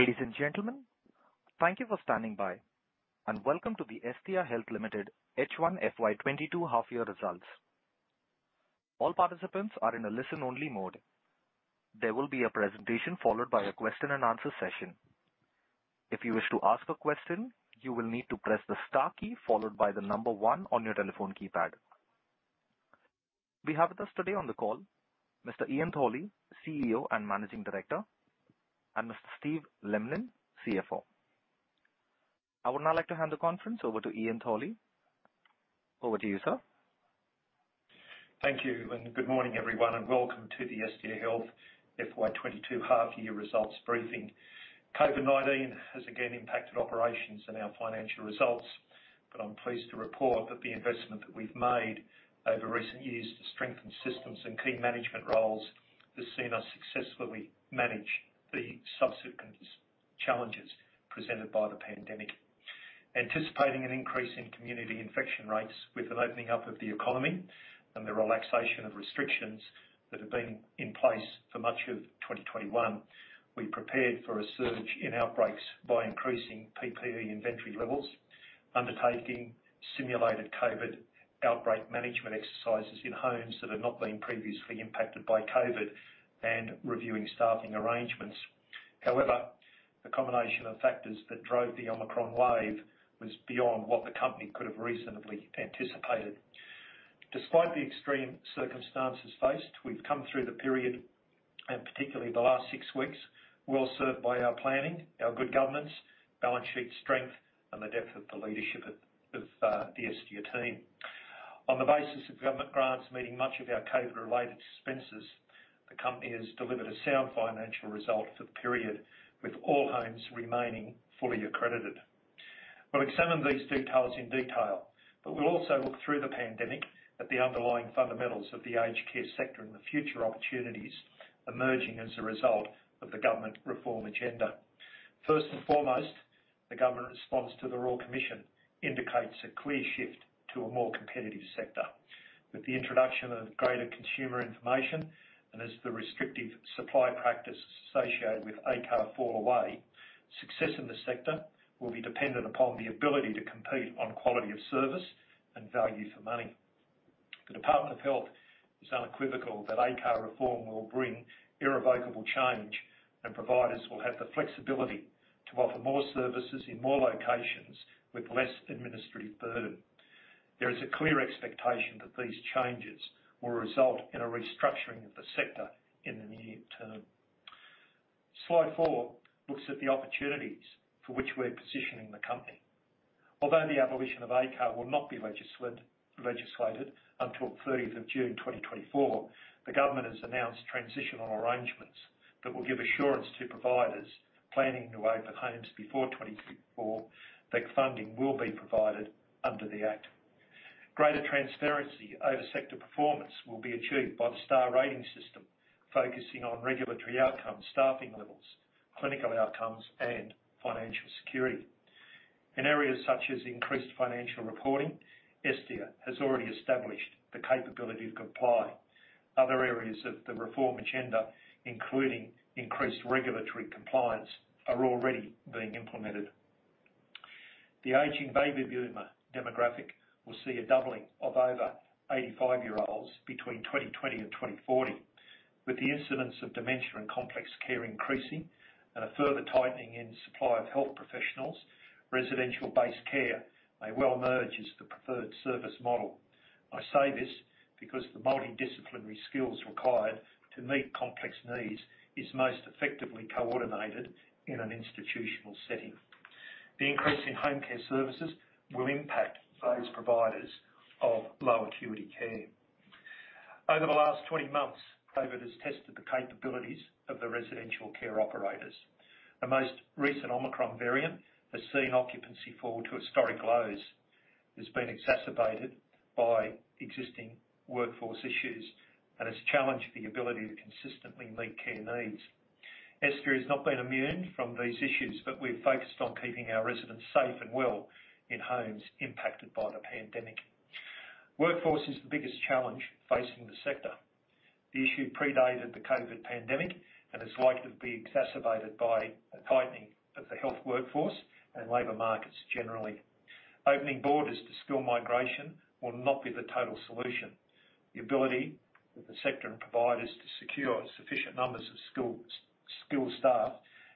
Ladies and gentlemen, thank you for standing by, and welcome to the Estia Health Limited H1 FY 2022 half year results. All participants are in a listen only mode. There will be a presentation followed by a question and answer session. If you wish to ask a question, you will need to press the star key followed by the number one on your telephone keypad. We have with us today on the call Mr. Ian Thorley, CEO and Managing Director, and Mr. Steve Lemlin, CFO. I would now like to hand the conference over to Ian Thorley. Over to you, sir. Thank you, and good morning, everyone, and welcome to the Estia Health FY 2022 half year results briefing. COVID-19 has again impacted operations and our financial results, but I'm pleased to report that the investment that we've made over recent years to strengthen systems and key management roles has seen us successfully manage the subsequent challenges presented by the pandemic. Anticipating an increase in community infection rates with an opening up of the economy and the relaxation of restrictions that have been in place for much of 2021, we prepared for a surge in outbreaks by increasing PPE inventory levels, undertaking simulated COVID outbreak management exercises in homes that had not been previously impacted by COVID, and reviewing staffing arrangements. However, the combination of factors that drove the Omicron wave was beyond what the company could have reasonably anticipated. Despite the extreme circumstances faced, we've come through the period, and particularly the last six weeks, well-served by our planning, our good governance, balance sheet strength, and the depth of the leadership of the Estia team. On the basis of government grants meeting much of our COVID-related expenses, the company has delivered a sound financial result for the period, with all homes remaining fully accredited. We'll examine these details in detail, but we'll also look through the pandemic at the underlying fundamentals of the aged care sector and the future opportunities emerging as a result of the government reform agenda. First and foremost, the government response to the Royal Commission indicates a clear shift to a more competitive sector. With the introduction of greater consumer information, and as the restrictive supply practice associated with ACAR fall away, success in the sector will be dependent upon the ability to compete on quality of service and value for money. The Department of Health is unequivocal that ACAR reform will bring irrevocable change, and providers will have the flexibility to offer more services in more locations with less administrative burden. There is a clear expectation that these changes will result in a restructuring of the sector in the near term. Slide four looks at the opportunities for which we're positioning the company. Although the abolition of ACAR will not be legislated until 30th of June 2024, the government has announced transitional arrangements that will give assurance to providers planning to open homes before 2024 that funding will be provided under the act. Greater transparency over sector performance will be achieved by the star rating system, focusing on regulatory outcomes, staffing levels, clinical outcomes, and financial security. In areas such as increased financial reporting, Estia has already established the capability to comply. Other areas of the reform agenda, including increased regulatory compliance, are already being implemented. The aging baby boomer demographic will see a doubling of over 85-year-olds between 2020 and 2040. With the incidence of dementia and complex care increasing and a further tightening in supply of health professionals, residential-based care may well emerge as the preferred service model. I say this because the multidisciplinary skills required to meet complex needs is most effectively coordinated in an institutional setting. The increase in home care services will impact those providers of low acuity care. Over the last 20 months, COVID has tested the capabilities of the residential care operators. The most recent Omicron variant has seen occupancy fall to historic lows. It's been exacerbated by existing workforce issues and has challenged the ability to consistently meet care needs. Estia has not been immune from these issues, but we've focused on keeping our residents safe and well in homes impacted by the pandemic. Workforce is the biggest challenge facing the sector. The issue predated the COVID pandemic, and is likely to be exacerbated by a tightening of the health workforce and labor markets generally. Opening borders to skilled migration will not be the total solution. The ability of the sector and providers to secure sufficient numbers of skilled staff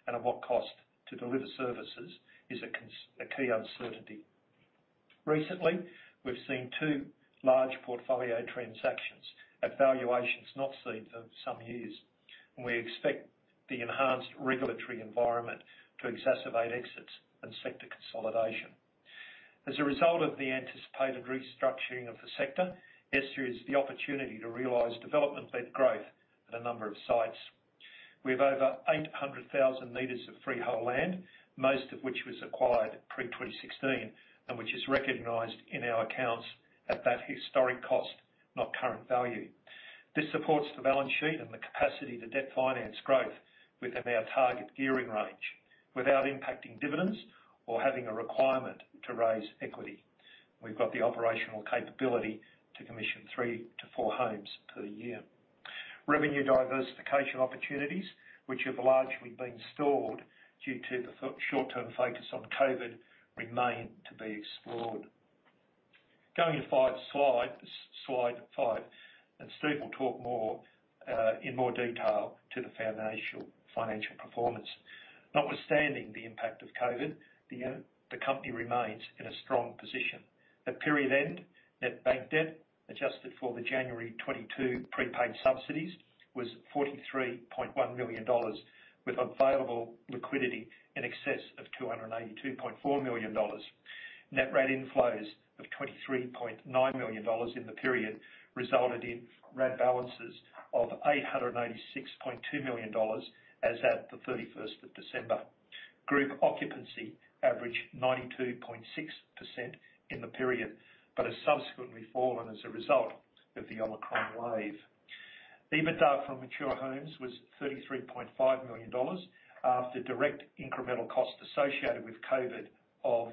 and at what cost to deliver services is a key uncertainty. Recently, we've seen two large portfolio transactions at valuations not seen for some years. We expect the enhanced regulatory environment to exacerbate exits and sector consolidation. As a result of the anticipated restructuring of the sector, Estia has the opportunity to realize development-led growth at a number of sites. We have over 800,000 meters of freehold land, most of which was acquired pre-2016 and which is recognized in our accounts at that historic cost, not current value. This supports the balance sheet and the capacity to debt finance growth within our target gearing range without impacting dividends or having a requirement to raise equity. We've got the operational capability to commission 3-4 homes per year. Revenue diversification opportunities, which have largely been shelved due to the short-term focus on COVID, remain to be explored. Going to slide five, slide five, and Steve will talk more in more detail to the foundational financial performance. Notwithstanding the impact of COVID, the company remains in a strong position. At period end, net bank debt, adjusted for the January 2022 prepaid subsidies, was 43.1 million dollars, with available liquidity in excess of 282.4 million dollars. Net RAD inflows of 23.9 million dollars in the period resulted in RAD balances of 886.2 million dollars as at 31 December. Group occupancy averaged 92.6% in the period, but has subsequently fallen as a result of the Omicron wave. EBITDA from mature homes was 33.5 million dollars, after direct incremental costs associated with COVID of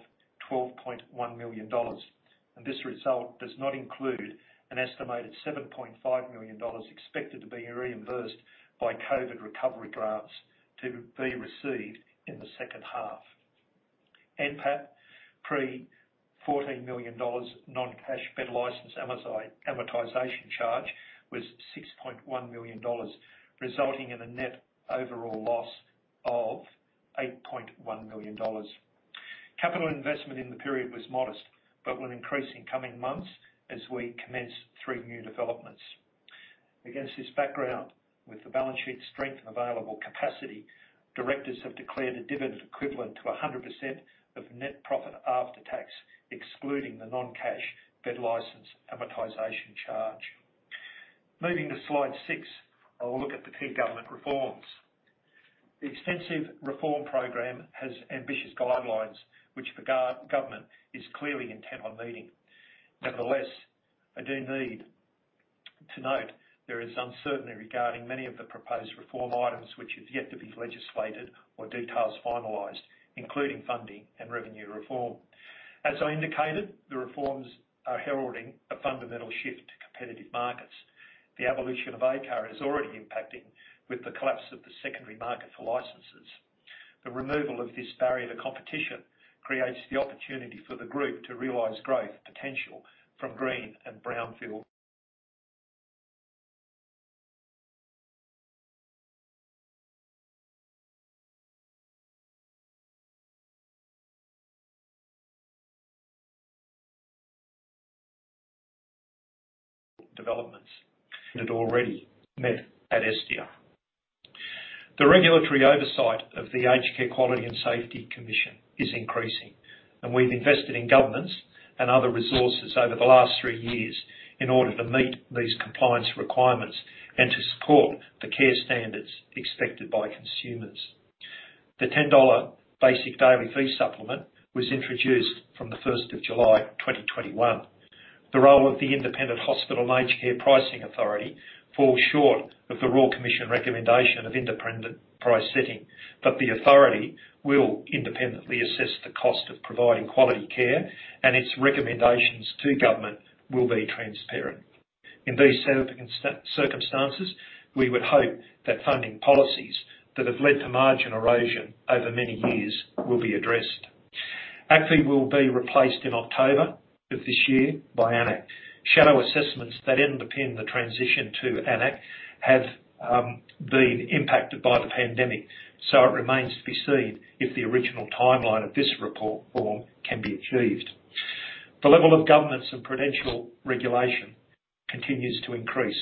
12.1 million dollars. This result does not include an estimated 7.5 million dollars expected to be reimbursed by COVID recovery grants to be received in the second half. NPAT, pre AUD 14 million non-cash bed license amortization charge, was 6.1 million dollars, resulting in a net overall loss of 8.1 million dollars. Capital investment in the period was modest, but will increase in coming months as we commence three new developments. Against this background, with the balance sheet strength and available capacity, directors have declared a dividend equivalent to 100% of net profit after tax, excluding the non-cash bed license amortization charge. Moving to slide six, I'll look at the key government reforms. The extensive reform program has ambitious guidelines, which the government is clearly intent on meeting. Nevertheless, I do need to note there is uncertainty regarding many of the proposed reform items which are yet to be legislated or details finalized, including funding and revenue reform. As I indicated, the reforms are heralding a fundamental shift to competitive markets. The abolition of ACAR is already impacting with the collapse of the secondary market for licenses. The removal of this barrier to competition creates the opportunity for the group to realize growth potential from greenfield and brownfield developments that already met at Estia. The regulatory oversight of the Aged Care Quality and Safety Commission is increasing, and we've invested in governance and other resources over the last three years in order to meet these compliance requirements and to support the care standards expected by consumers. The 10 dollar basic daily fee supplement was introduced from the first of July 2021. The role of the Independent Health and Aged Care Pricing Authority falls short of the Royal Commission recommendation of independent price setting, but the authority will independently assess the cost of providing quality care, and its recommendations to government will be transparent. In these circumstances, we would hope that funding policies that have led to margin erosion over many years will be addressed. ACFI will be replaced in October of this year by AN-ACC. Shadow assessments that underpin the transition to AN-ACC have been impacted by the pandemic, so it remains to be seen if the original timeline of this reform can be achieved. The level of governance and prudential regulation continues to increase.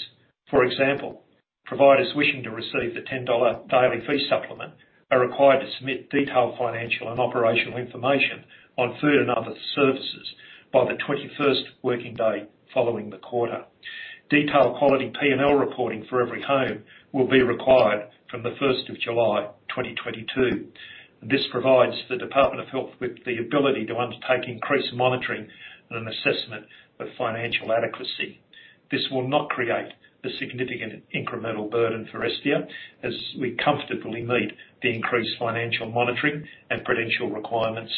For example, providers wishing to receive the 10 dollar daily fee supplement are required to submit detailed financial and operational information on food and other services by the 21st working day following the quarter. Detailed quality P&L reporting for every home will be required from the 1st of July, 2022. This provides the Department of Health with the ability to undertake increased monitoring and an assessment of financial adequacy. This will not create a significant incremental burden for Estia, as we comfortably meet the increased financial monitoring and prudential requirements.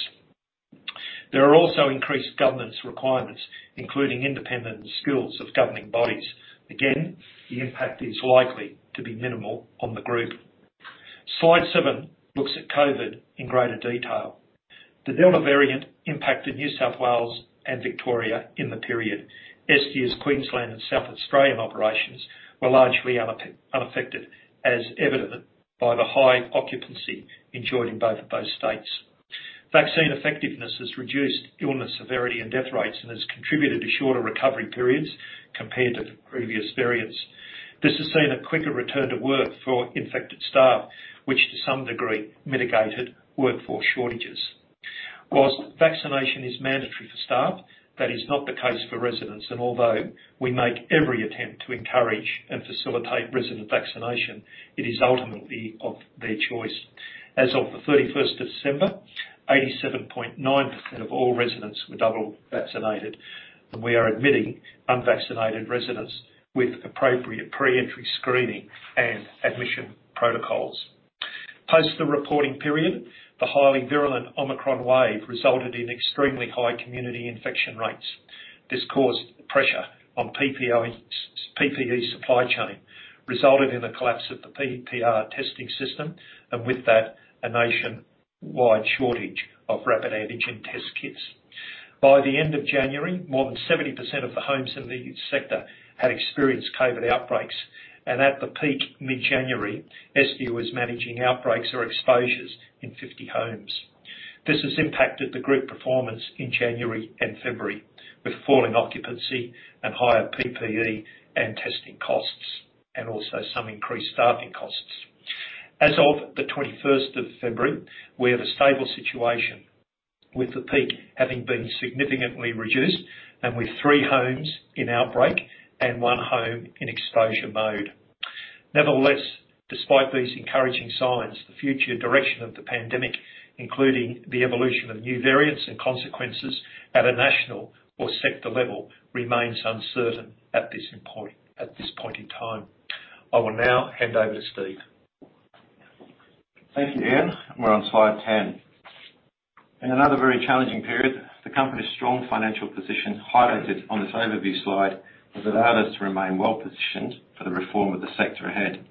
There are also increased governance requirements, including independent skills of governing bodies. Again, the impact is likely to be minimal on the group. Slide seven looks at COVID in greater detail. The Delta variant impacted New South Wales and Victoria in the period. Estia's Queensland and South Australian operations were largely unaffected, as evident by the high occupancy enjoyed in both of those states. Vaccine effectiveness has reduced illness severity and death rates, and has contributed to shorter recovery periods compared to previous variants. This has seen a quicker return to work for infected staff, which to some degree mitigated workforce shortages. While vaccination is mandatory for staff, that is not the case for residents, and although we make every attempt to encourage and facilitate resident vaccination, it is ultimately of their choice. As of the thirty-first of December, 87.9% of all residents were double vaccinated, and we are admitting unvaccinated residents with appropriate pre-entry screening and admission protocols. Post the reporting period, the highly virulent Omicron wave resulted in extremely high community infection rates. This caused pressure on PPE supply chain, resulted in the collapse of the PCR testing system, and with that, a nationwide shortage of rapid antigen test kits. By the end of January, more than 70% of the homes in the sector had experienced COVID outbreaks. At the peak, mid-January, Estia was managing outbreaks or exposures in 50 homes. This has impacted the group performance in January and February, with falling occupancy and higher PPE and testing costs, and also some increased staffing costs. As of the twenty-first of February, we have a stable situation, with the peak having been significantly reduced and with three homes in outbreak and one home in exposure mode. Nevertheless, despite these encouraging signs, the future direction of the pandemic, including the evolution of new variants and consequences at a national or sector level, remains uncertain at this point in time. I will now hand over to Steve. Thank you, Ian. We're on slide 10. In another very challenging period, the company's strong financial position, highlighted on this overview slide, has allowed us to remain well-positioned for the reform of the sector ahead.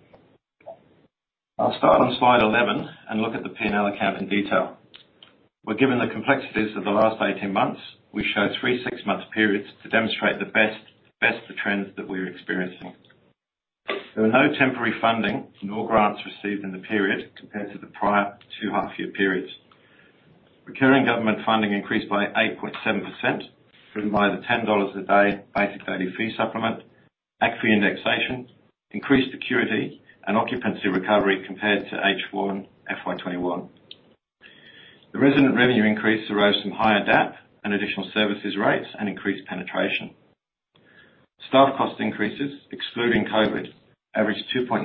I'll start on slide 11 and look at the P&L account in detail. Well, given the complexities of the last 18 months, we show three six-month periods to demonstrate the best of trends that we're experiencing. There were no temporary funding, nor grants received in the period compared to the prior two half-year periods. Recurring government funding increased by 8.7%, driven by the 10 dollars a day basic daily fee supplement, ACFI indexation, increased security, and occupancy recovery compared to H1 FY 2021. The resident revenue increase arose from higher DAP and additional services rates and increased penetration. Staff cost increases, excluding COVID, averaged 2.9%,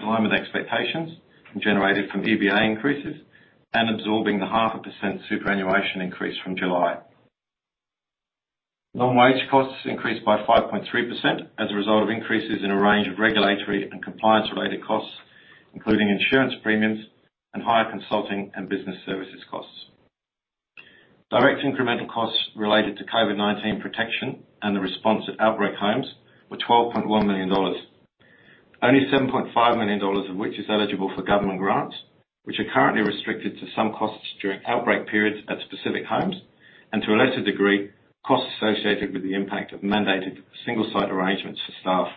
in line with expectations, and generated from EBA increases and absorbing the 0.5% superannuation increase from July. Non-wage costs increased by 5.3% as a result of increases in a range of regulatory and compliance-related costs, including insurance premiums and higher consulting and business services costs. Direct incremental costs related to COVID-19 protection and the response at outbreak homes were 12.1 million dollars. Only 7.5 million dollars of which is eligible for government grants, which are currently restricted to some costs during outbreak periods at specific homes, and to a lesser degree, costs associated with the impact of mandated single-site arrangements for staff.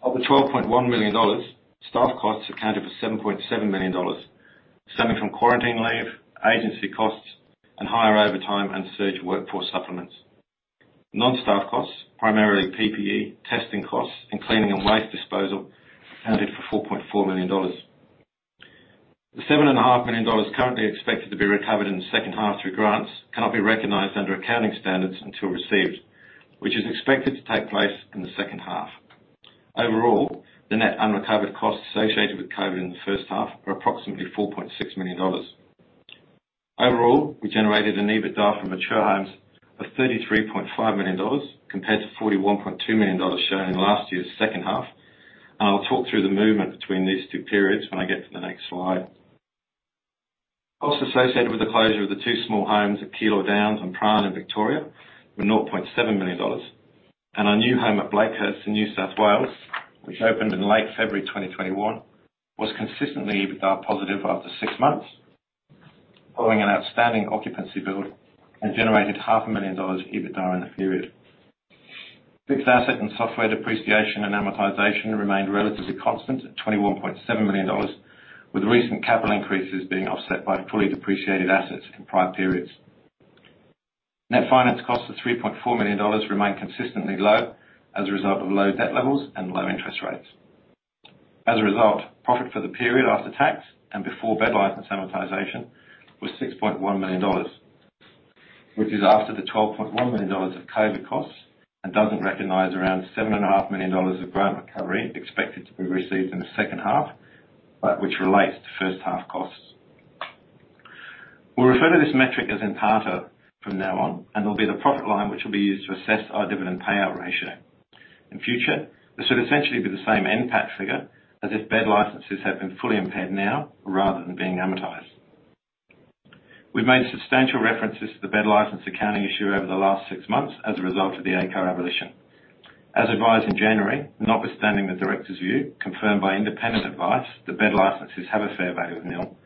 Of the 12.1 million dollars, staff costs accounted for 7.7 million dollars, stemming from quarantine leave, agency costs, and higher overtime and surge workforce supplements. Non-staff costs, primarily PPE, testing costs, and cleaning and waste disposal, accounted for 4.4 million dollars. The 7.5 million dollars currently expected to be recovered in the second half through grants cannot be recognized under accounting standards until received, which is expected to take place in the second half. Overall, the net unrecovered costs associated with COVID in the first half are approximately 4.6 million dollars. Overall, we generated an EBITDA for mature homes of 33.5 million dollars, compared to 41.2 million dollars shown in last year's second half. I'll talk through the movement between these two periods when I get to the next slide. Costs associated with the closure of the two small homes at Keilor Downs and Prahran in Victoria were 0.7 million dollars. Our new home at Blakehurst in New South Wales, which opened in late February 2021, was consistently EBITDA positive after six months, following an outstanding occupancy build, and generated AUD half a million dollars EBITDA in the period. Fixed asset and software depreciation and amortization remained relatively constant at 21.7 million dollars, with recent capital increases being offset by fully depreciated assets from prior periods. Net finance costs of 3.4 million dollars remain consistently low as a result of low debt levels and low interest rates. As a result, profit for the period after tax and before bed license amortization was 6.1 million dollars, which is after the 12.1 million dollars of COVID costs and doesn't recognize around 7.5 million dollars of grant recovery expected to be received in the second half, but which relates to first half costs. We'll refer to this metric as NPATA from now on, and it'll be the profit line which will be used to assess our dividend payout ratio. In future, this would essentially be the same NPAT figure as if bed licenses had been fully impaired now rather than being amortized. We've made substantial references to the bed license accounting issue over the last six months as a result of the ACAR abolition. As advised in January, notwithstanding the directors' view, confirmed by independent advice, the bed licenses have a fair value of nil.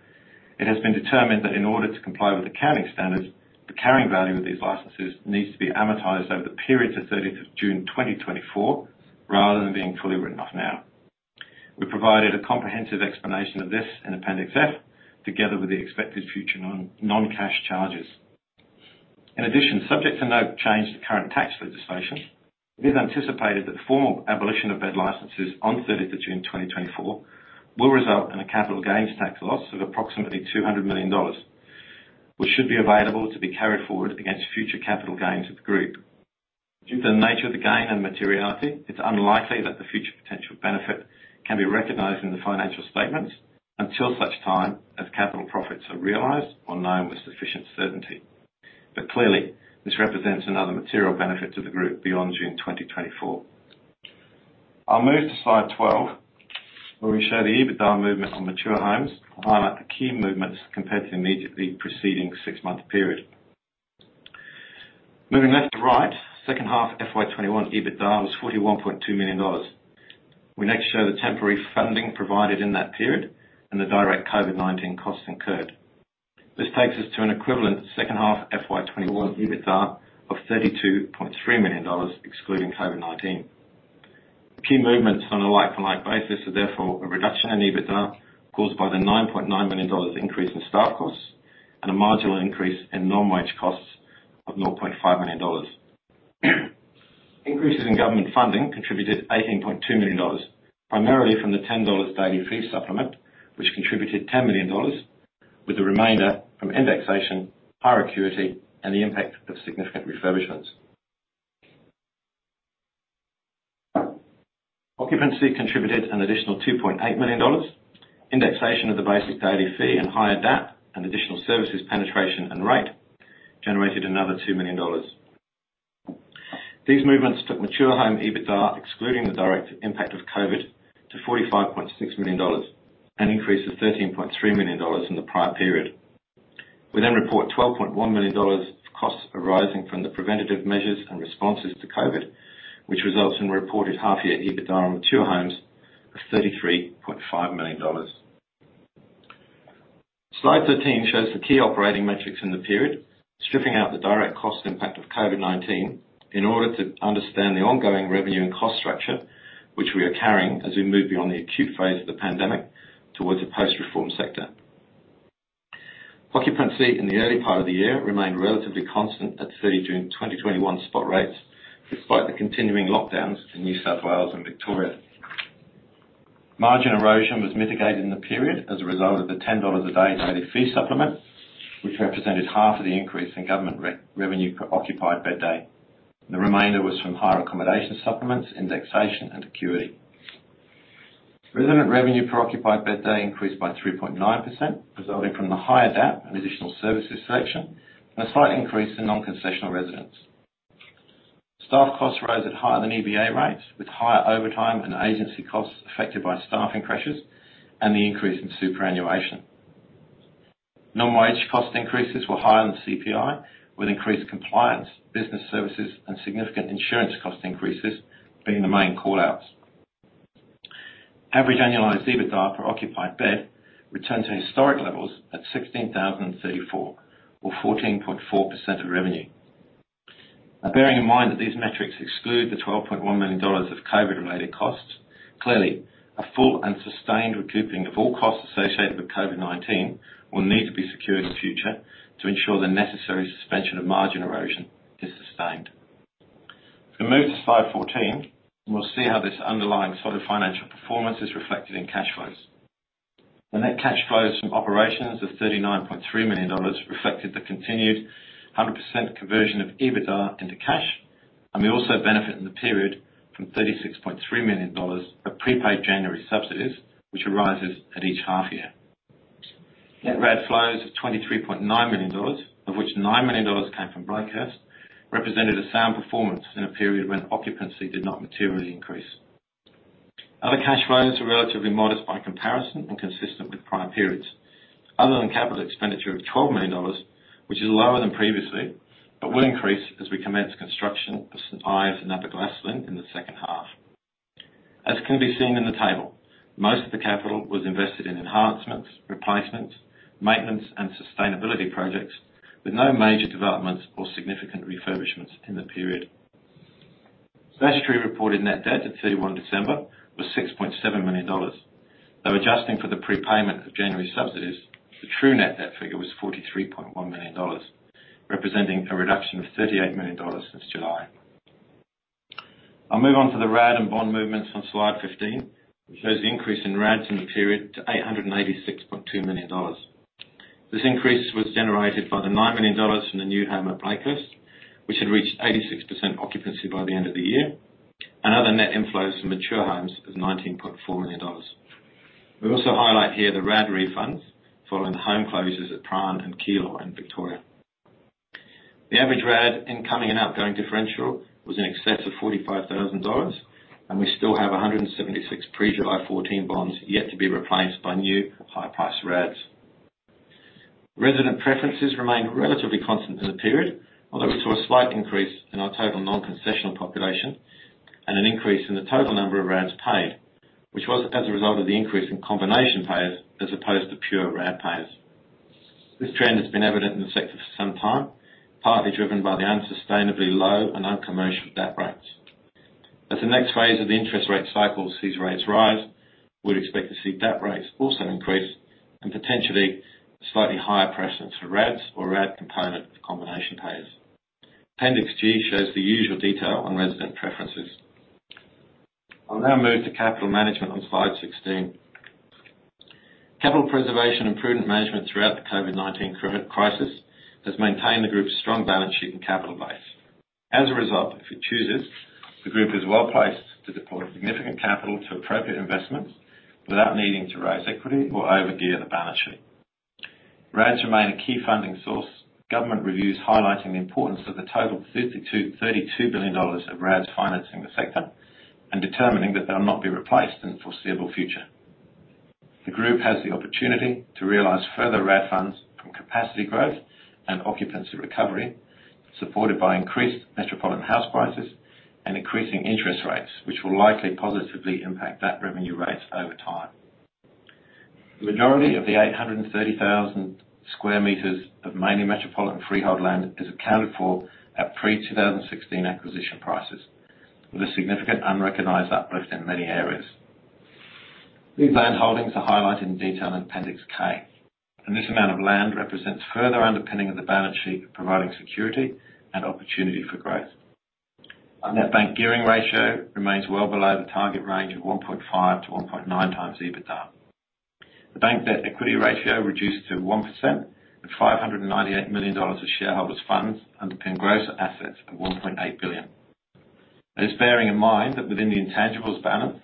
It has been determined that in order to comply with accounting standards, the carrying value of these licenses needs to be amortized over the period to thirteenth of June 2024, rather than being fully written off now. We provided a comprehensive explanation of this in Appendix F, together with the expected future non-cash charges. In addition, subject to no change to current tax legislation, it is anticipated that the formal abolition of bed licenses on thirteenth of June 2024 will result in a capital gains tax loss of approximately 200 million dollars, which should be available to be carried forward against future capital gains of the group. Due to the nature of the gain and materiality, it's unlikely that the future potential benefit can be recognized in the financial statements until such time as capital profits are realized or known with sufficient certainty. Clearly, this represents another material benefit to the group beyond June 2024. I'll move to slide 12, where we show the EBITDA movement on mature homes, highlight the key movements compared to the immediately preceding six-month period. Moving left to right, second half FY 2021 EBITDA was 41.2 million dollars. We next show the temporary funding provided in that period and the direct COVID-19 costs incurred. This takes us to an equivalent second half FY 2021 EBITDA of AUD 32.3 million, excluding COVID-19. Key movements on a like-for-like basis are therefore a reduction in EBITDA, caused by the 9.9 million dollars increase in staff costs and a marginal increase in non-wage costs of 9.5 million dollars. Increases in government funding contributed 18.2 million dollars, primarily from the 10 dollars daily fee supplement, which contributed 10 million dollars, with the remainder from indexation, higher acuity, and the impact of significant refurbishments. Occupancy contributed an additional 2.8 million dollars. Indexation of the basic daily fee and higher DAP and additional services penetration and rate generated another 2 million dollars. These movements took mature home EBITDA, excluding the direct impact of COVID, to AUD 45.6 million, an increase of AUD 13.3 million in the prior period. We report AUD 12.1 million of costs arising from the preventative measures and responses to COVID, which results in reported half-year EBITDA on mature homes of 33.5 million dollars. Slide 13 shows the key operating metrics in the period, stripping out the direct cost impact of COVID-19 in order to understand the ongoing revenue and cost structure which we are carrying as we move beyond the acute phase of the pandemic towards a post-reform sector. Occupancy in the early part of the year remained relatively constant at 30 June 2021 spot rates, despite the continuing lockdowns in New South Wales and Victoria. Margin erosion was mitigated in the period as a result of the 10 dollars a day daily fee supplement, which represented half of the increase in government revenue per occupied bed day. The remainder was from higher accommodation supplements, indexation, and acuity. Resident revenue per occupied bed day increased by 3.9%, resulting from the higher DAP and additional services section, and a slight increase in non-concessional residents. Staff costs rose at higher than EBA rates, with higher overtime and agency costs affected by staffing pressures and the increase in superannuation. Non-wage cost increases were higher than CPI, with increased compliance, business services, and significant insurance cost increases being the main call-outs. Average annualized EBITDA per occupied bed returned to historic levels at 16,034 or 14.4% of revenue. Now, bearing in mind that these metrics exclude the 12.1 million dollars of COVID-related costs, clearly, a full and sustained recouping of all costs associated with COVID-19 will need to be secured in future to ensure the necessary suspension of margin erosion is sustained. If we move to slide 14, we'll see how this underlying solid financial performance is reflected in cash flows. The net cash flows from operations of 39.3 million dollars reflected the continued 100% conversion of EBITDA into cash, and we also benefit in the period from 36.3 million dollars of prepaid January subsidies, which arises at each half year. Net RAD flows of 23.9 million dollars, of which 9 million dollars came from Blakehurst, represented a sound performance in a period when occupancy did not materially increase. Other cash flows are relatively modest by comparison and consistent with prior periods, other than capital expenditure of 12 million dollars, which is lower than previously but will increase as we commence construction of St. Ives and Aberglasslyn in the second half. As can be seen in the table, most of the capital was invested in enhancements, replacements, maintenance, and sustainability projects, with no major developments or significant refurbishments in the period. Statutory reported net debt at 31 December was 6.7 million dollars, though adjusting for the prepayment of January subsidies, the true net debt figure was 43.1 million dollars, representing a reduction of 38 million dollars since July. I'll move on to the RAD and bond movements on slide 15, which shows the increase in RADs in the period to 886.2 million dollars. This increase was generated by the 9 million dollars from the new home at Blakehurst, which had reached 86% occupancy by the end of the year, and other net inflows from mature homes of AUD 19.4 million. We also highlight here the RAD refunds following the home closures at Prahran and Keilor in Victoria. The average RAD incoming and outgoing differential was in excess of 45 thousand dollars, and we still have 176 pre-July 2014 bonds yet to be replaced by new high-price RADs. Resident preferences remained relatively constant in the period, although we saw a slight increase in our total non-concessional population and an increase in the total number of RADs paid, which was as a result of the increase in combination payers as opposed to pure RAD payers. This trend has been evident in the sector for some time, partly driven by the unsustainably low and uncommercial DAP rates. As the next phase of the interest rate cycle sees rates rise, we'd expect to see DAP rates also increase and potentially slightly higher precedence for RADs or RAD component of combination payers. Appendix G shows the usual detail on resident preferences. I'll now move to capital management on slide 16. Capital preservation and prudent management throughout the COVID-19 crisis has maintained the group's strong balance sheet and capital base. As a result, if it chooses, the group is well-placed to deploy significant capital to appropriate investments without needing to raise equity or over-gear the balance sheet. RADs remain a key funding source. Government reviews highlighting the importance of the total 32 billion dollars of RADs financing the sector and determining that they'll not be replaced in the foreseeable future. The group has the opportunity to realize further RAD funds from capacity growth and occupancy recovery, supported by increased metropolitan house prices and increasing interest rates, which will likely positively impact that refund rates over time. The majority of the 830,000 sq m of mainly metropolitan freehold land is accounted for at pre-2016 acquisition prices, with a significant unrecognized uplift in many areas. These land holdings are highlighted in detail in Appendix K, and this amount of land represents further underpinning of the balance sheet, providing security and opportunity for growth. Our net bank gearing ratio remains well below the target range of 1.5x-1.9x EBITDA. The bank debt equity ratio reduced to 1%, with 598 million dollars of shareholders' funds underpin gross assets of 1.8 billion. Bearing in mind that within the intangibles balance,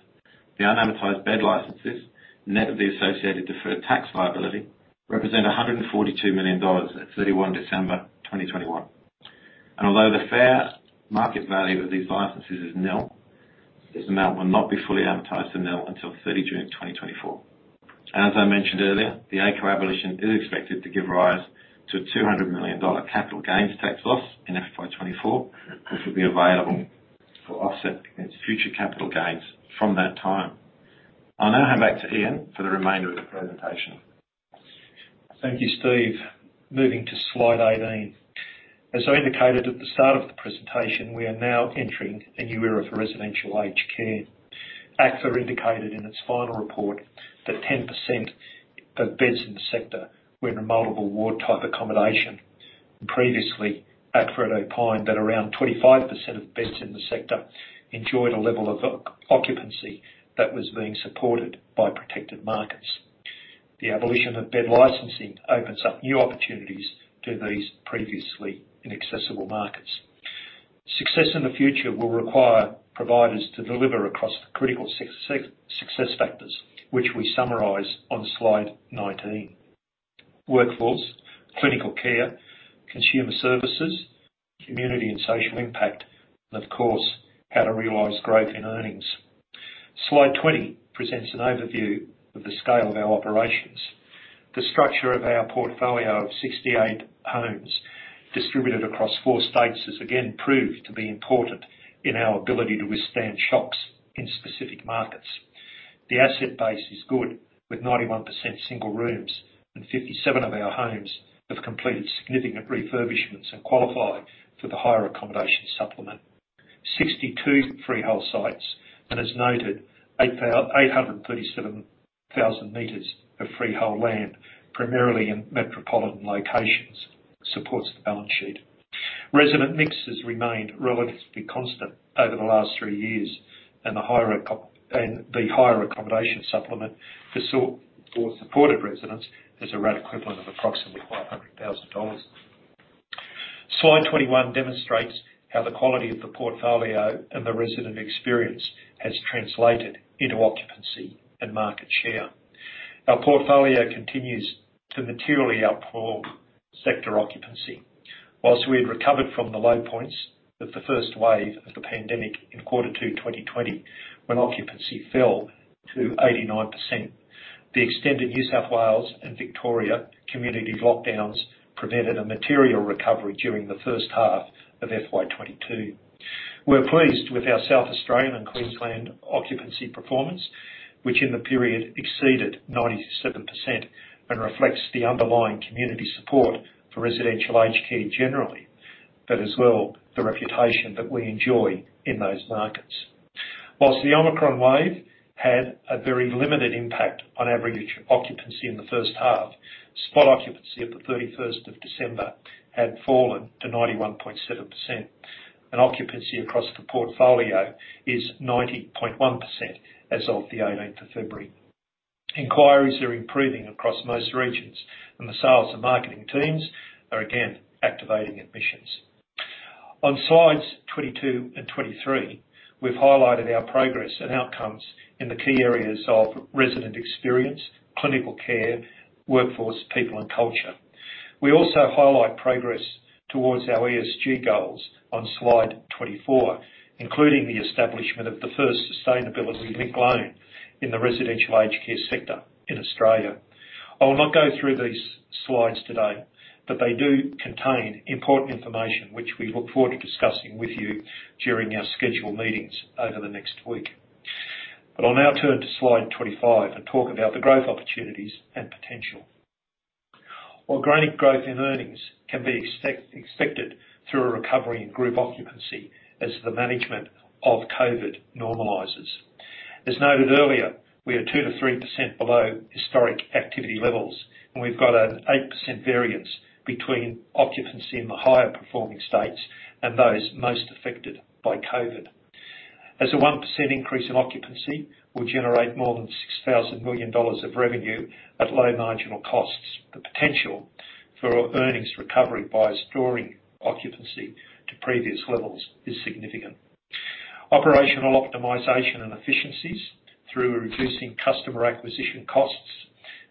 the unamortized bed licenses, net of the associated deferred tax liability, represent 142 million dollars at 31 December 2021. Although the fair market value of these licenses is nil, this amount will not be fully amortized to nil until 30 June 2024. As I mentioned earlier, the ACAR abolition is expected to give rise to a AUD 200 million capital gains tax loss in FY 2024, which will be available for offset against future capital gains from that time. I'll now hand back to Ian for the remainder of the presentation. Thank you, Steve. Moving to slide 18. As I indicated at the start of the presentation, we are now entering a new era for residential aged care. ACFA indicated in its final report that 10% of beds in the sector were in a multiple ward type accommodation. Previously, ACFA had opined that around 25% of beds in the sector enjoyed a level of occupancy that was being supported by protected markets. The abolition of bed licensing opens up new opportunities to these previously inaccessible markets. Success in the future will require providers to deliver across the critical success factors, which we summarize on slide 19. Workforce, clinical care, consumer services, community and social impact, and of course, how to realize growth in earnings. Slide 20 presents an overview of the scale of our operations. The structure of our portfolio of 68 homes distributed across four states has again proved to be important in our ability to withstand shocks in specific markets. The asset base is good, with 91% single rooms and 57 of our homes have completed significant refurbishments and qualify for the higher accommodation supplement. 62 freehold sites, and as noted, 837,000 sq m of freehold land, primarily in metropolitan locations, supports the balance sheet. Resident mix has remained relatively constant over the last three years, and the higher accommodation supplement for supported residents is a rent equivalent of approximately 500 thousand dollars. Slide 21 demonstrates how the quality of the portfolio and the resident experience has translated into occupancy and market share. Our portfolio continues to materially outperform sector occupancy. While we had recovered from the low points of the first wave of the pandemic in quarter two 2020, when occupancy fell to 89%, the extended New South Wales and Victoria community lockdowns prevented a material recovery during the first half of FY 2022. We're pleased with our South Australian and Queensland occupancy performance, which in the period exceeded 97% and reflects the underlying community support for residential aged care generally, but as well, the reputation that we enjoy in those markets. While the Omicron wave had a very limited impact on average occupancy in the first half, spot occupancy at the 31st of December had fallen to 91.7%, and occupancy across the portfolio is 90.1% as of the 18th of February. Inquiries are improving across most regions, and the sales and marketing teams are again activating admissions. On slides 22 and 23, we've highlighted our progress and outcomes in the key areas of resident experience, clinical care, workforce, people and culture. We also highlight progress towards our ESG goals on slide 24, including the establishment of the first sustainability-linked loan in the residential aged care sector in Australia. I will not go through these slides today, but they do contain important information which we look forward to discussing with you during our scheduled meetings over the next week. I'll now turn to slide 25 and talk about the growth opportunities and potential. While organic growth in earnings can be expected through a recovery in group occupancy as the management of COVID normalizes. As noted earlier, we are 2%-3% below historic activity levels, and we've got an 8% variance between occupancy in the higher performing states and those most affected by COVID. As a 1% increase in occupancy will generate more than 6 billion dollars of revenue at low marginal costs. The potential for earnings recovery by restoring occupancy to previous levels is significant. Operational optimization and efficiencies through reducing customer acquisition costs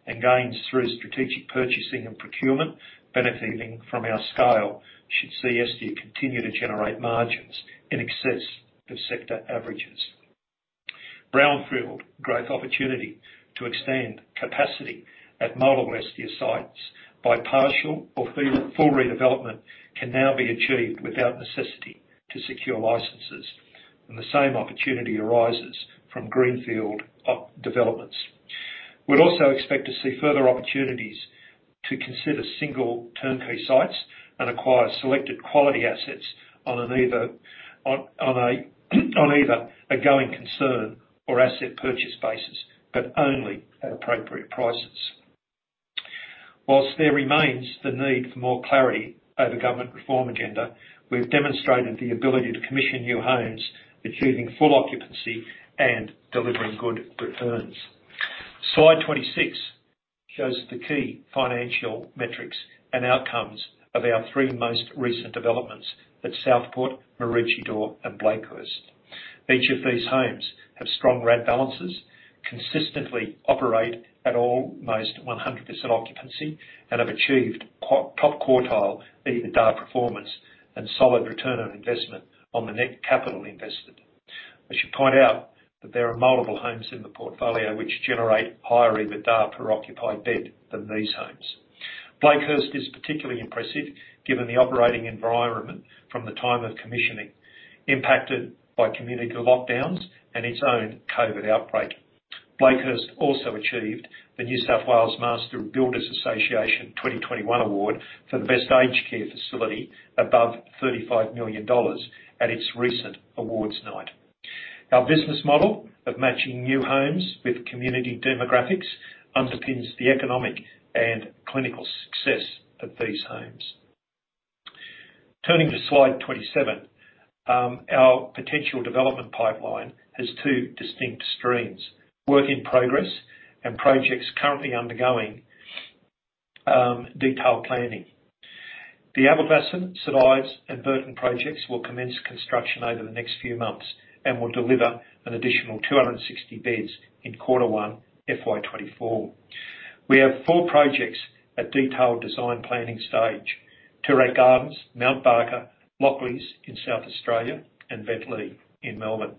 and gains through strategic purchasing and procurement benefiting from our scale should see Estia continue to generate margins in excess of sector averages. Brownfield growth opportunity to extend capacity at multiple Estia sites by partial or full redevelopment can now be achieved without necessity to secure licenses, and the same opportunity arises from greenfield developments. We'd also expect to see further opportunities to consider single turnkey sites and acquire selected quality assets on either a going concern or asset purchase basis, but only at appropriate prices. While there remains the need for more clarity over government reform agenda, we've demonstrated the ability to commission new homes, achieving full occupancy and delivering good returns. Slide 26 shows the key financial metrics and outcomes of our three most recent developments at Southport, Maroochydore, and Blakehurst. Each of these homes have strong rent balances, consistently operate at almost 100% occupancy, and have achieved top quartile EBITDA performance and solid return on investment on the net capital invested. I should point out that there are multiple homes in the portfolio which generate higher EBITDA per occupied bed than these homes. Blakehurst is particularly impressive given the operating environment from the time of commissioning, impacted by community lockdowns and its own COVID outbreak. Blakehurst also achieved the Master Builders Association of NSW 2021 award for the best aged care facility above 35 million dollars at its recent awards night. Our business model of matching new homes with community demographics underpins the economic and clinical success of these homes. Turning to slide 27, our potential development pipeline has two distinct streams, work in progress and projects currently undergoing detailed planning. The Aberglasslyn, St. Ives, and Burton projects will commence construction over the next few months and will deliver an additional 260 beds in Q1 FY 2024. We have four projects at detailed design planning stage, Toorak Gardens, Mount Barker, Lockleys in South Australia, and Bentleigh in Melbourne.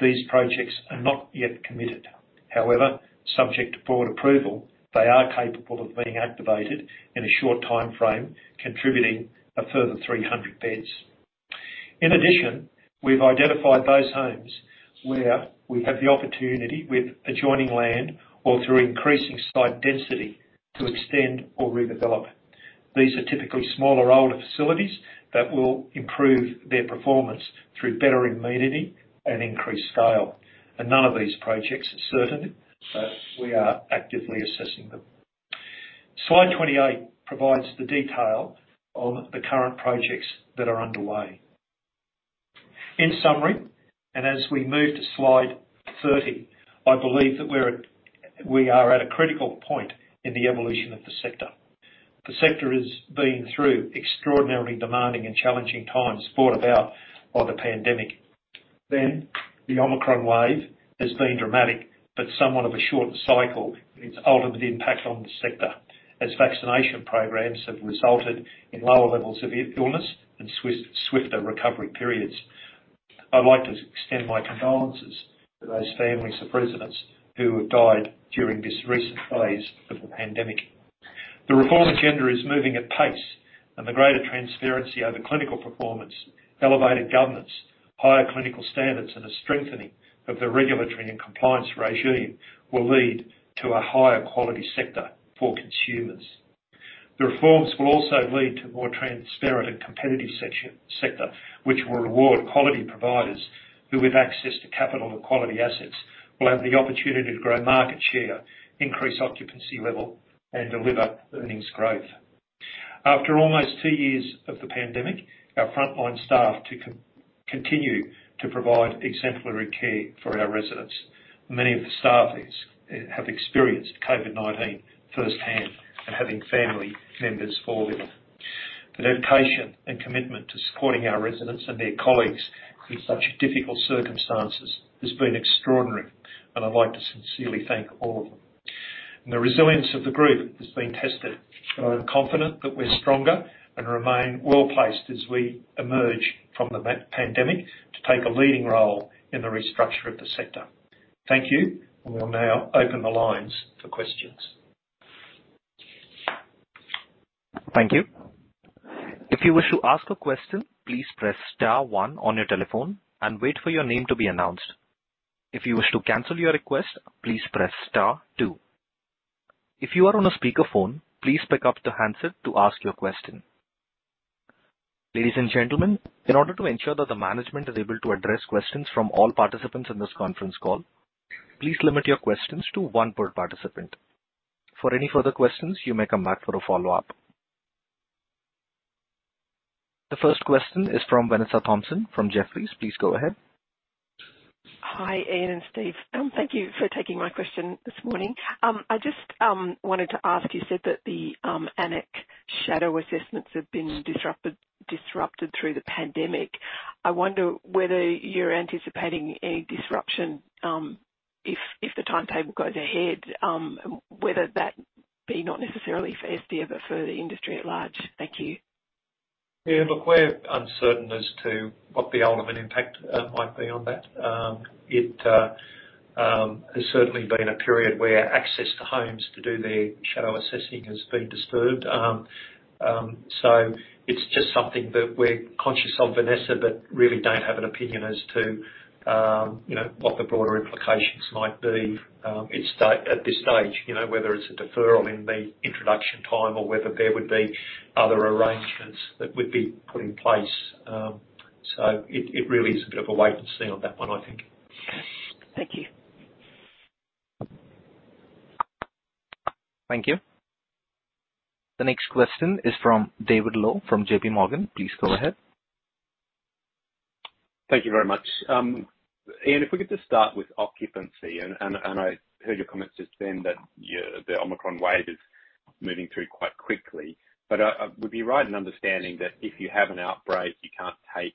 These projects are not yet committed. However, subject to board approval, they are capable of being activated in a short timeframe, contributing a further 300 beds. In addition, we've identified those homes where we have the opportunity with adjoining land or through increasing site density to extend or redevelop. These are typically smaller, older facilities that will improve their performance through better amenity and increased scale. None of these projects are certain, but we are actively assessing them. Slide 28 provides the detail of the current projects that are underway. In summary, and as we move to slide 30, I believe that we are at a critical point in the evolution of the sector. The sector has been through extraordinarily demanding and challenging times brought about by the pandemic. The Omicron wave has been dramatic but somewhat of a short cycle in its ultimate impact on the sector, as vaccination programs have resulted in lower levels of illness and swifter recovery periods. I'd like to extend my condolences to those families of residents who have died during this recent phase of the pandemic. The reform agenda is moving at pace, and the greater transparency over clinical performance, elevated governance, higher clinical standards, and a strengthening of the regulatory and compliance regime will lead to a higher quality sector for consumers. The reforms will also lead to more transparent and competitive sector, which will reward quality providers who, with access to capital and quality assets, will have the opportunity to grow market share, increase occupancy level, and deliver earnings growth. After almost two years of the pandemic, our frontline staff continue to provide exemplary care for our residents. Many of the staff is, have experienced COVID-19 firsthand and having family members fall ill. Their dedication and commitment to supporting our residents and their colleagues in such difficult circumstances has been extraordinary, and I'd like to sincerely thank all of them. The resilience of the group has been tested, but I'm confident that we're stronger and remain well-placed as we emerge from the pandemic to take a leading role in the restructure of the sector. Thank you. We will now open the lines for questions. Thank you. If you wish to ask a question, please press star one on your telephone and wait for your name to be announced. If you wish to cancel your request, please press star two. If you are on a speakerphone, please pick up the handset to ask your question. Ladies and gentlemen, in order to ensure that the management is able to address questions from all participants in this conference call, please limit your questions to one per participant. For any further questions, you may come back for a follow-up. The first question is from Vanessa Thomson from Jefferies. Please go ahead. Hi, Ian and Steve. Thank you for taking my question this morning. I just wanted to ask, you said that the AN-ACC shadow assessments have been disrupted through the pandemic. I wonder whether you're anticipating any disruption, if the timetable goes ahead, whether that be not necessarily for Estia but for the industry at large. Thank you. Yeah, look, we're uncertain as to what the ultimate impact might be on that. It has certainly been a period where access to homes to do their shadow assessing has been disturbed. So it's just something that we're conscious of, Vanessa, but really don't have an opinion as to, you know, what the broader implications might be, it's at this stage. You know, whether it's a deferral in the introduction time or whether there would be other arrangements that would be put in place. So it really is a bit of a wait and see on that one, I think. Thank you. Thank you. The next question is from David Low from JPMorgan. Please go ahead. Thank you very much. Ian, if we could just start with occupancy, and I heard your comments just then that the Omicron wave is moving through quite quickly. Would we be right in understanding that if you have an outbreak, you can't take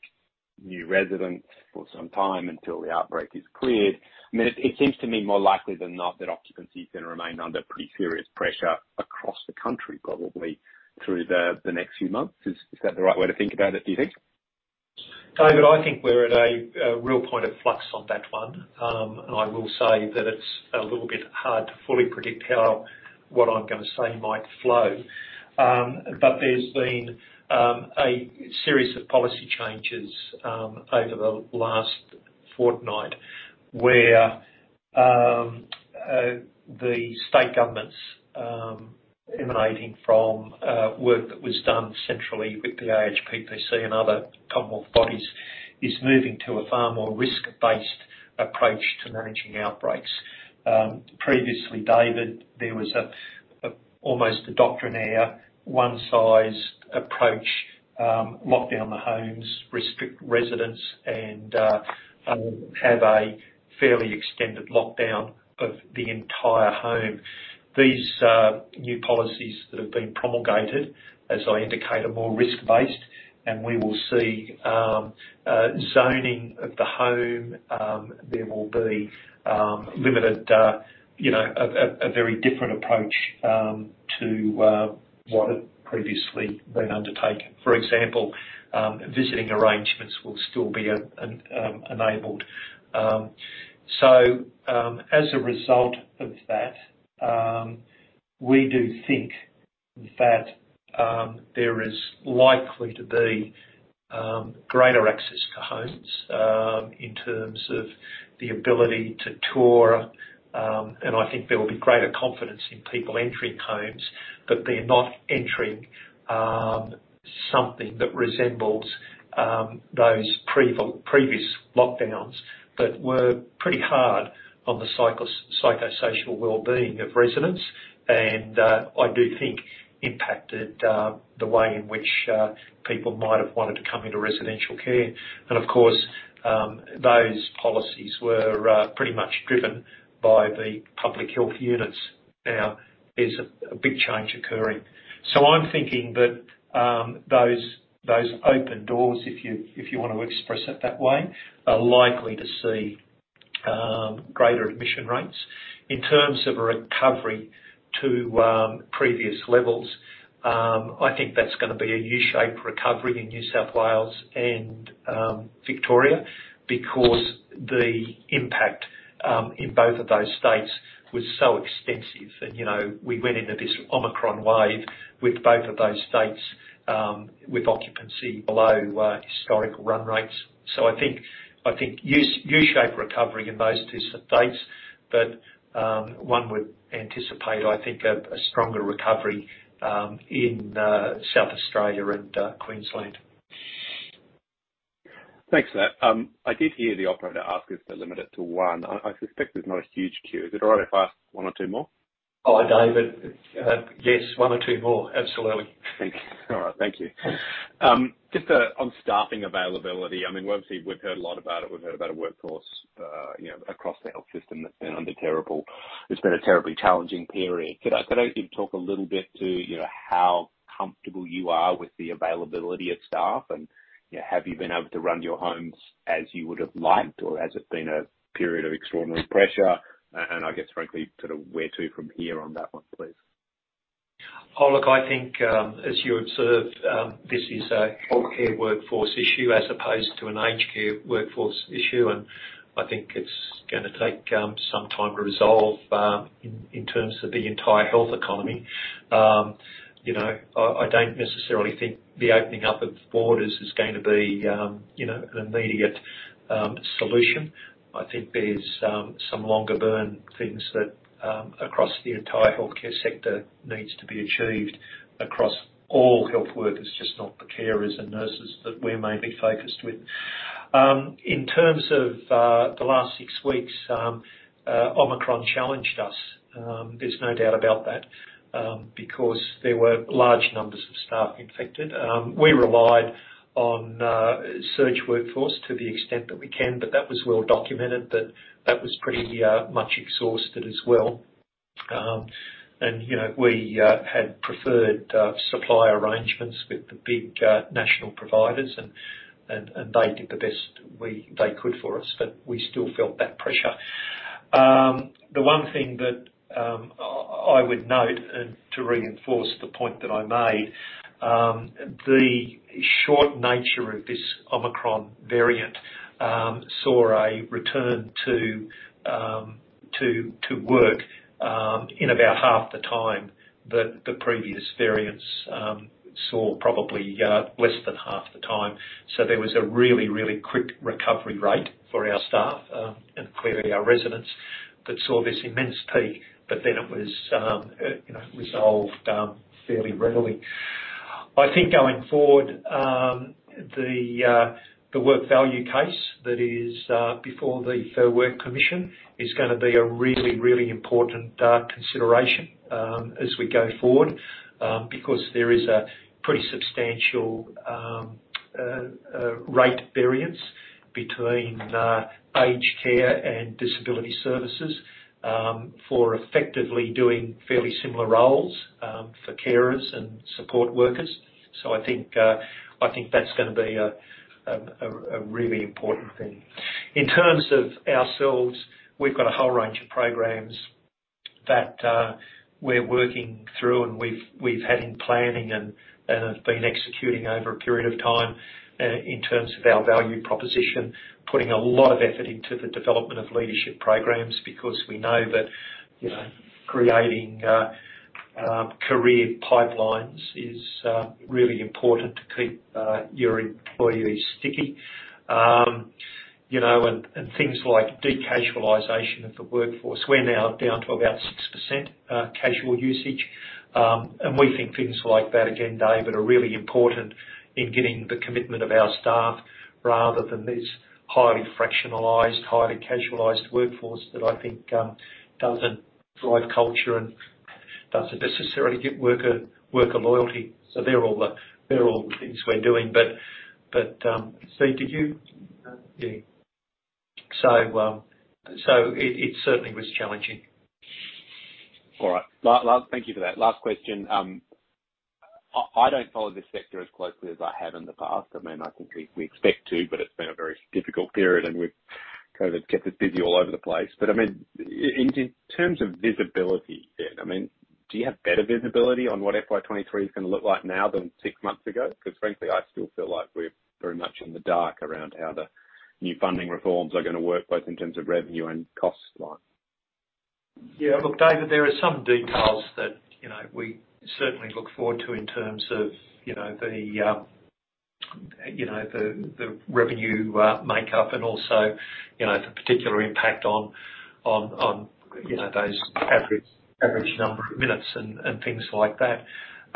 new residents for some time until the outbreak is cleared? I mean, it seems to me more likely than not that occupancy is gonna remain under pretty serious pressure across the country, probably through the next few months. Is that the right way to think about it, do you think? David, I think we're at a real point of flux on that one. I will say that it's a little bit hard to fully predict how what I'm gonna say might flow. There's been a series of policy changes over the last fortnight where the state governments, emanating from work that was done centrally with the AHPPC and other Commonwealth bodies, is moving to a far more risk-based approach to managing outbreaks. Previously, David, there was almost a doctrinaire one size approach, lock down the homes, restrict residents, and have a fairly extended lockdown of the entire home. These new policies that have been promulgated, as I indicate, are more risk-based, and we will see zoning of the home. There will be limited, you know, a very different approach to what had previously been undertaken. For example, visiting arrangements will still be enabled. As a result of that, we do think that there is likely to be greater access to homes in terms of the ability to tour. I think there will be greater confidence in people entering homes, that they're not entering something that resembles those previous lockdowns that were pretty hard on the psychosocial wellbeing of residents and I do think impacted the way in which people might have wanted to come into residential care. Of course, those policies were pretty much driven by the public health units. Now, there's a big change occurring. I'm thinking that those open doors, if you wanna express it that way, are likely to see greater admission rates. In terms of a recovery to previous levels, I think that's gonna be a U-shaped recovery in New South Wales and Victoria because the impact in both of those states was so extensive. You know, we went into this Omicron wave with both of those states with occupancy below historical run rates. I think U-shape recovery in those two states. One would anticipate, I think, a stronger recovery in South Australia and Queensland. Thanks for that. I did hear the operator ask us to limit it to one. I suspect there's not a huge queue. Is it all right if I ask one or two more? Hi, David. Yes, one or two more, absolutely. Thank you. All right. Thank you. Just on staffing availability, I mean, obviously we've heard a lot about it. We've heard about a workforce, you know, across the health system that's been a terribly challenging period. Could I get you to talk a little bit to, you know, how comfortable you are with the availability of staff and, you know, have you been able to run your homes as you would've liked, or has it been a period of extraordinary pressure? And I guess frankly, sort of where to from here on that one, please. Oh, look, I think, as you observed, this is a healthcare workforce issue as opposed to an aged care workforce issue, and I think it's gonna take some time to resolve, in terms of the entire health economy. You know, I don't necessarily think the opening up of borders is going to be, you know, an immediate solution. I think there's some longer burn things that across the entire healthcare sector needs to be achieved across all health workers, just not the carers and nurses that we're mainly focused with. In terms of the last six weeks, Omicron challenged us, there's no doubt about that, because there were large numbers of staff infected. We relied on surge workforce to the extent that we can, but that was well documented, but that was pretty much exhausted as well. You know, we had preferred supply arrangements with the big national providers and they did the best they could for us, but we still felt that pressure. The one thing that I would note, and to reinforce the point that I made, the short nature of this Omicron variant saw a return to work in about half the time that the previous variants saw probably less than half the time. There was a really quick recovery rate for our staff, and clearly our residents that saw this immense peak, but then it was, you know, resolved fairly readily. I think going forward, the work value case that is before the Fair Work Commission is gonna be a really important consideration as we go forward, because there is a pretty substantial rate variance between aged care and disability services for effectively doing fairly similar roles for carers and support workers. I think that's gonna be a really important thing. In terms of ourselves, we've got a whole range of programs that we're working through and we've had in planning and have been executing over a period of time in terms of our value proposition. Putting a lot of effort into the development of leadership programs because we know that, you know, creating career pipelines is really important to keep your employees sticky. You know, things like de-casualization of the workforce. We're now down to about 6% casual usage. We think things like that, again, David, are really important in getting the commitment of our staff rather than this highly fractionalized, highly casualized workforce that I think doesn't drive culture and doesn't necessarily get worker loyalty. They're all the things we're doing. Steve, did you? Yeah. It certainly was challenging. All right. Last. Thank you for that. Last question. I don't follow this sector as closely as I have in the past. I mean, I think we expect to, but it's been a very difficult period, and we've kind of kept it busy all over the place. I mean, in terms of visibility then, I mean, do you have better visibility on what FY 2023 is gonna look like now than six months ago? Because frankly, I still feel like we're very much in the dark around how the new funding reforms are gonna work, both in terms of revenue and cost line. Yeah. Look, David, there are some details that, you know, we certainly look forward to in terms of, you know, the revenue makeup and also, you know, the particular impact on those average number of minutes and things like that.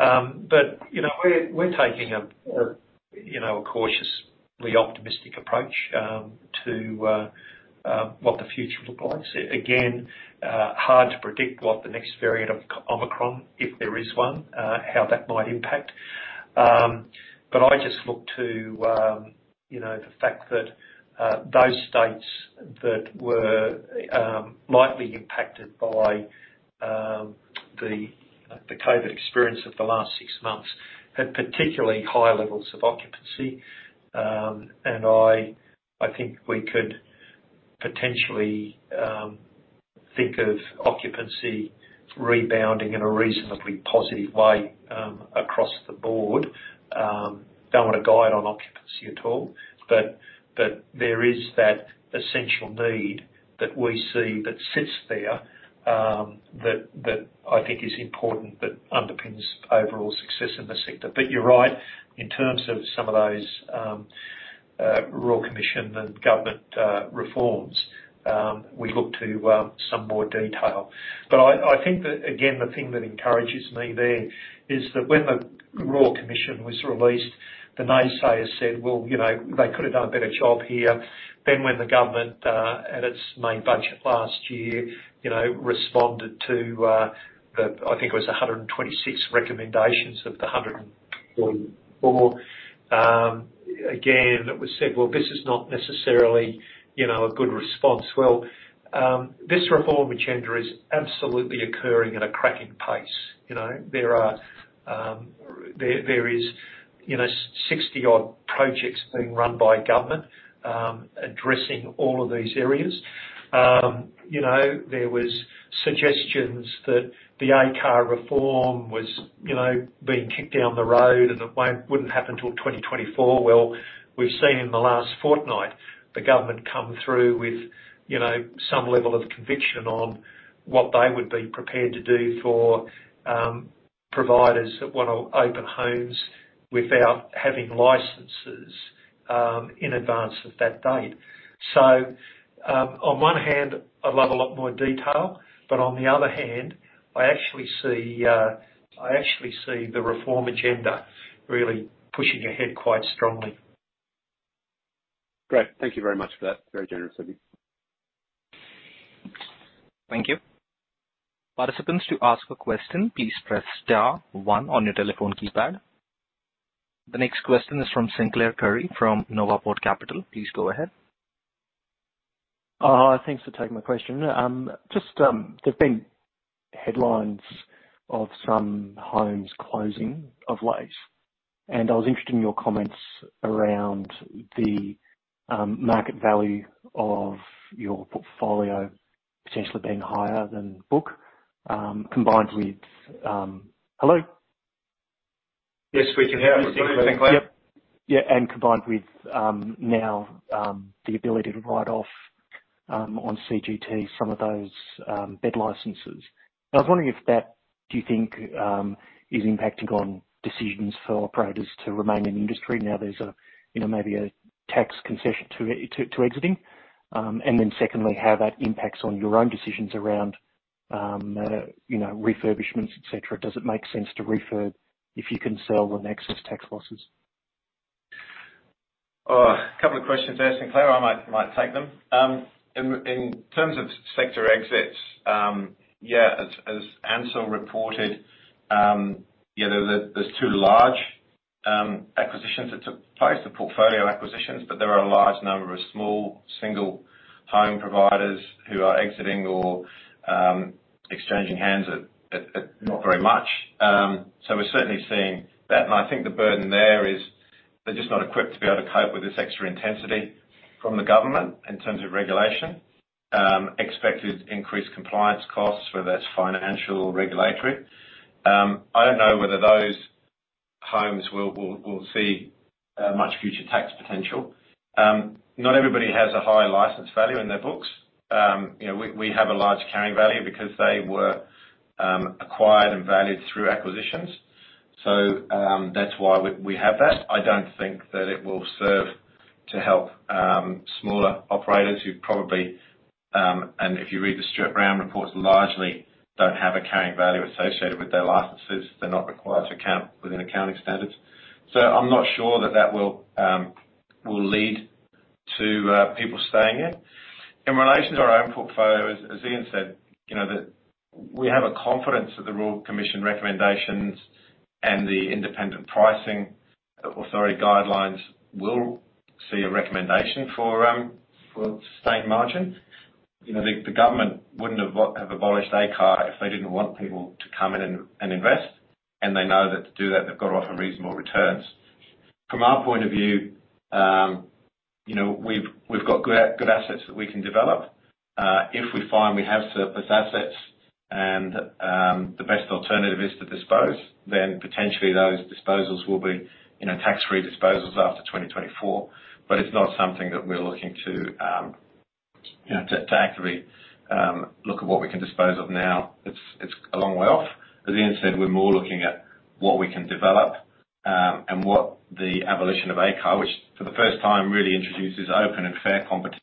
You know, we're taking a cautiously optimistic approach to what the future look like. Again, hard to predict what the next variant of Omicron, if there is one, how that might impact. I just look to you know the fact that those states that were lightly impacted by the COVID experience of the last six months had particularly high levels of occupancy. I think we could potentially think of occupancy rebounding in a reasonably positive way across the board. Don't wanna guide on occupancy at all, but there is that essential need that we see that sits there that I think is important, that underpins overall success in the sector. You're right, in terms of some of those Royal Commission and government reforms, we look to some more detail. I think that, again, the thing that encourages me there is that when the Royal Commission was released, the naysayers said, "Well, you know, they could have done a better job here." When the government at its main budget last year, you know, responded to the, I think it was 126 recommendations of the 144, again, it was said, "Well, this is not necessarily, you know, a good response." Well, this reform agenda is absolutely occurring at a cracking pace. You know, there is sixty-odd projects being run by government, addressing all of these areas. You know, there was suggestions that the ACAR reform was, you know, being kicked down the road and it wouldn't happen till 2024. Well, we've seen in the last fortnight the government come through with, you know, some level of conviction on what they would be prepared to do for providers that wanna open homes without having licenses in advance of that date. On one hand, I'd love a lot more detail, but on the other hand, I actually see the reform agenda really pushing ahead quite strongly. Great. Thank you very much for that. Very generous of you. Thank you. Participants, to ask a question, please press star one on your telephone keypad. The next question is from Sinclair Currie from NovaPort Capital. Please go ahead. Thanks for taking my question. Just, there've been headlines of some homes closing of late, and I was interested in your comments around the market value of your portfolio potentially being higher than book, combined with, Hello? Yes, we can hear you. Yeah, combined with now the ability to write off on CGT some of those bed licenses. I was wondering if that do you think is impacting on decisions for operators to remain in the industry now there's you know maybe a tax concession to exiting? Secondly, how that impacts on your own decisions around you know refurbishments, et cetera. Does it make sense to refurb if you can sell and access tax losses? Oh, a couple of questions there, Sinclair. I might take them. In terms of sector exits, yeah, as Ian reported, you know, there's two large acquisitions that took place, the portfolio acquisitions, but there are a large number of small single home providers who are exiting or exchanging hands at not very much. So we're certainly seeing that, and I think the burden there is they're just not equipped to be able to cope with this extra intensity from the government in terms of regulation, expected increased compliance costs, whether that's financial or regulatory. I don't know whether those homes will see much future tax potential. Not everybody has a high license value in their books. You know, we have a large carrying value because they were acquired and valued through acquisitions. That's why we have that. I don't think that it will serve to help smaller operators who probably and if you read the StewartBrown reports, largely don't have a carrying value associated with their licenses. They're not required to count within accounting standards. I'm not sure that it will lead to people staying here. In relation to our own portfolio, as Ian said, you know that we have a confidence that the Royal Commission recommendations and the Independent Pricing Authority guidelines will see a recommendation for sustained margin. You know, the government wouldn't have abolished ACAR if they didn't want people to come in and invest, and they know that to do that, they've got to offer reasonable returns. From our point of view, you know, we've got good assets that we can develop. If we find we have surplus assets and the best alternative is to dispose, then potentially those disposals will be tax-free disposals after 2024. It's not something that we're looking to actively look at what we can dispose of now. It's a long way off. As Ian said, we're more looking at what we can develop and what the abolition of ACAR, which for the first time, really introduces open and fair competition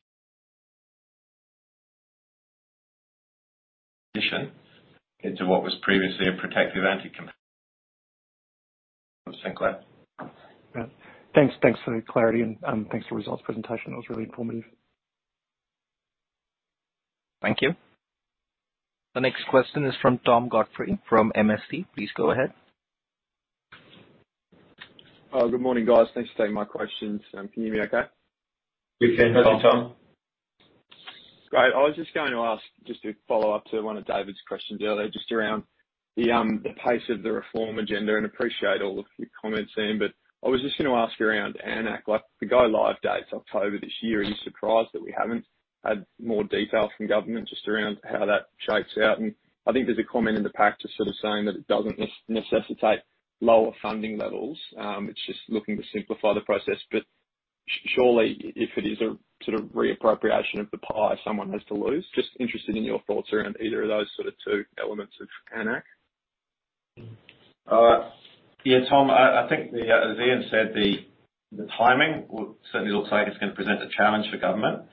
into what was previously a protective anti-Sinclair. Yeah. Thanks for the clarity and thanks for the results presentation. That was really informative. Thank you. The next question is from Tom Godfrey from MST. Please go ahead. Good morning, guys. Thanks for taking my questions. Can you hear me okay? We can. How are you, Tom? Great. I was just going to ask, just to follow up to one of David's questions earlier, just around the pace of the reform agenda, and appreciate all of your comments, Ian. I was just gonna ask around AN-ACC, like, the go-live date's October this year. Are you surprised that we haven't had more detail from government just around how that shakes out? I think there's a comment in the pack just sort of saying that it doesn't necessitate lower funding levels. It's just looking to simplify the process. Surely if it is a sort of reappropriation of the pie, someone has to lose. Just interested in your thoughts around either of those sort of two elements of AN-ACC. Yeah, Tom, I think as Ian said, the timing certainly looks like it's gonna present a challenge for government.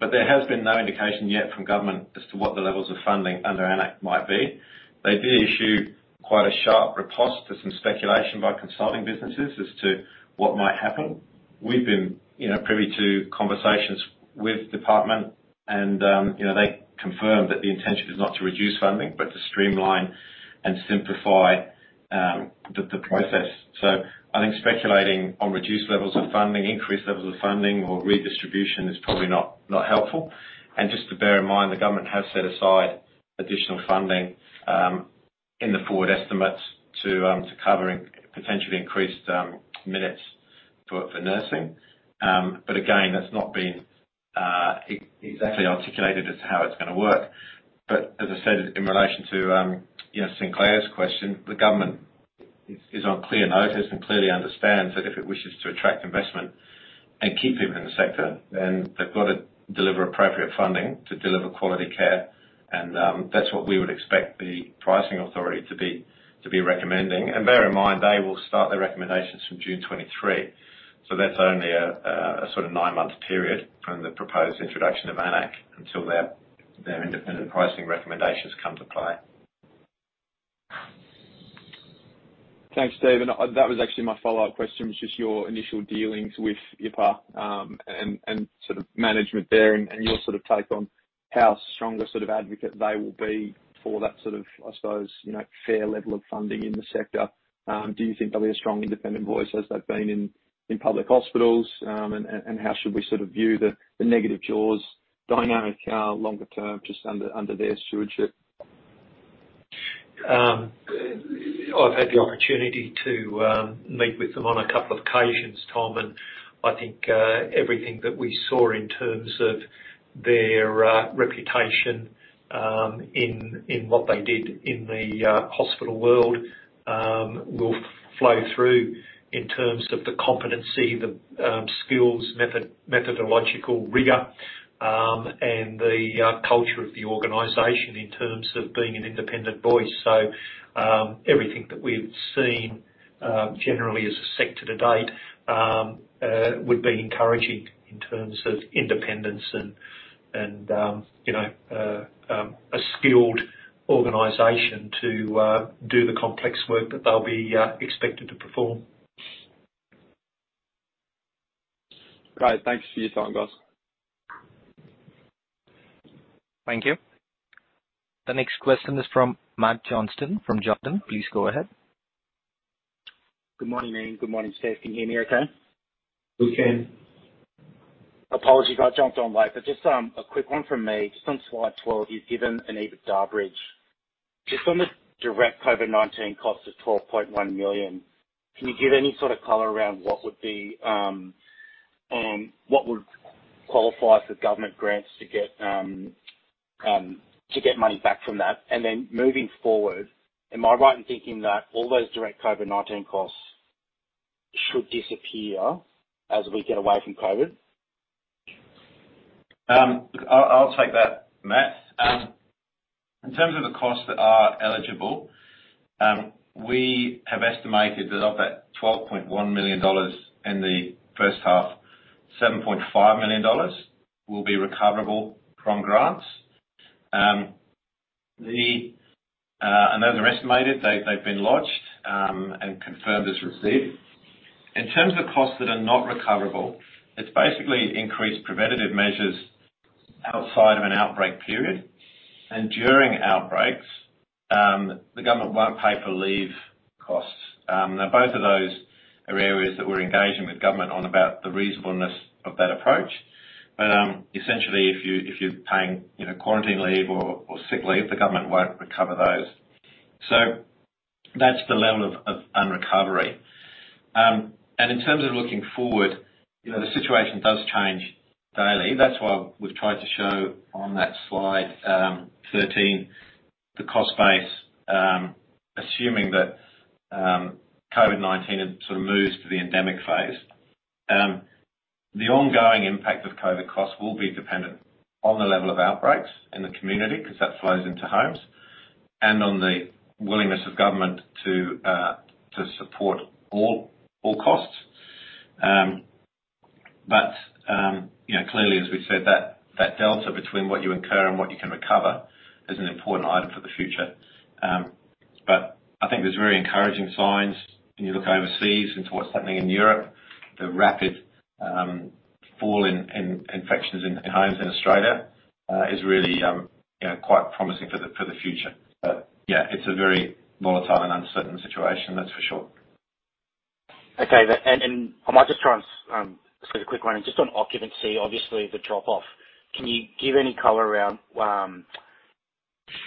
But there has been no indication yet from government as to what the levels of funding under AN-ACC might be. They did issue quite a sharp riposte to some speculation by consulting businesses as to what might happen. We've been, you know, privy to conversations with Department and, you know, they confirmed that the intention is not to reduce funding, but to streamline and simplify the process. I think speculating on reduced levels of funding, increased levels of funding or redistribution is probably not helpful. Just to bear in mind, the government has set aside additional funding in the forward estimates to cover potentially increased minutes for nursing. Again, that's not been exactly articulated as to how it's gonna work. As I said, in relation to, you know, Sinclair's question, the government is on clear notice and clearly understands that if it wishes to attract investment and keep people in the sector, then they've got to deliver appropriate funding to deliver quality care. That's what we would expect the pricing authority to be recommending. Bear in mind, they will start their recommendations from June 2023. That's only a sort of nine-month period on the proposed introduction of AN-ACC until their independent pricing recommendations come into play. Thanks, Stephen. That was actually my follow-up question, was just your initial dealings with IHACPA, and sort of management there and your sort of take on how strong a sort of advocate they will be for that sort of, I suppose, you know, fair level of funding in the sector. Do you think they'll be a strong independent voice as they've been in public hospitals? How should we sort of view the negative jaws dynamic longer term just under their stewardship? I've had the opportunity to meet with them on a couple of occasions, Tom, and I think everything that we saw in terms of their reputation in what they did in the hospital world will flow through in terms of the competency, the skills, methodological rigor, and the culture of the organization in terms of being an independent voice. Everything that we've seen generally as a sector to date would be encouraging in terms of independence and you know a skilled organization to do the complex work that they'll be expected to perform. Great. Thanks for your time, guys. Thank you. The next question is from Matthew Johnston from Jarden. Please go ahead. Good morning, Ian. Good morning, Steve. Can you hear me okay? We can. Apologies, I jumped on late, but just a quick one from me. Just on slide 12, you've given an EBITDA bridge. Just on the direct COVID-19 cost of 12.1 million, can you give any sort of color around what would qualify for government grants to get money back from that? And then moving forward, am I right in thinking that all those direct COVID-19 costs should disappear as we get away from COVID? I'll take that, Matt. In terms of the costs that are eligible, we have estimated that of that 12.1 million dollars in the first half, 7.5 million dollars will be recoverable from grants. Those are estimated. They've been lodged and confirmed as received. In terms of costs that are not recoverable, it's basically increased preventative measures outside of an outbreak period. During outbreaks, the government won't pay for leave costs. Now both of those are areas that we're engaging with government on about the reasonableness of that approach. Essentially, if you're paying, you know, quarantine leave or sick leave, the government won't recover those. That's the level of unrecovery. In terms of looking forward, you know, the situation does change daily. That's why we've tried to show on that slide 13, the cost base, assuming that COVID-19 sort of moves to the endemic phase. The ongoing impact of COVID costs will be dependent on the level of outbreaks in the community, 'cause that flows into homes, and on the willingness of government to support all costs. You know, clearly, as we've said, that delta between what you incur and what you can recover is an important item for the future. I think there's very encouraging signs when you look overseas into what's happening in Europe. The rapid fall in infections in homes in Australia is really, you know, quite promising for the future. Yeah, it's a very volatile and uncertain situation, that's for sure. Okay. I might just try and get a quick one. Just on occupancy, obviously the drop-off. Can you give any color around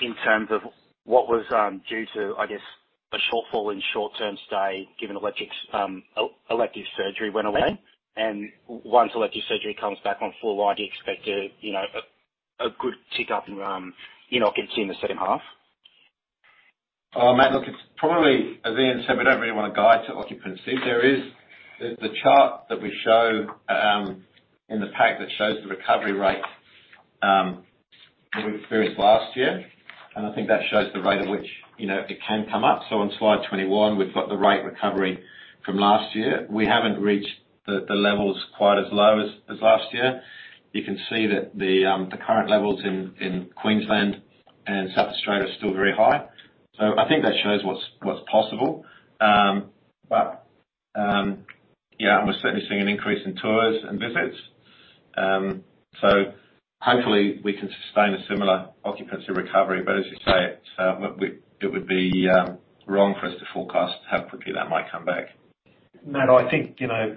in terms of what was due to, I guess, a shortfall in short-term stay given elective surgery went away? Once elective surgery comes back on full line, do you expect, you know, a good tick up in occupancy in the second half? Oh, Matt, look, it's probably, as Ian said, we don't really wanna guide to occupancy. There is the chart that we show in the pack that shows the recovery rate that we experienced last year, and I think that shows the rate at which, you know, it can come up. On slide 21, we've got the rate recovery from last year. We haven't reached the levels quite as low as last year. You can see that the current levels in Queensland and South Australia are still very high. I think that shows what's possible. Yeah, we're certainly seeing an increase in tours and visits. Hopefully we can sustain a similar occupancy recovery. As you say, it would be wrong for us to forecast how quickly that might come back. Matt, I think, you know,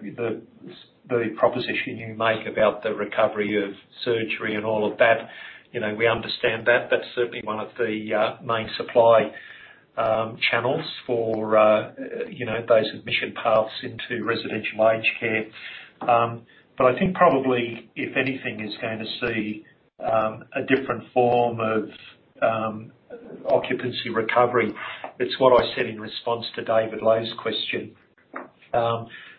the proposition you make about the recovery of surgery and all of that, you know, we understand that. That's certainly one of the main supply channels for, you know, those admission paths into residential aged care. I think probably if anything is going to see a different form of occupancy recovery, it's what I said in response to David Low's question.